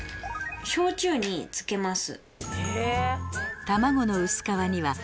焼酎に漬けます。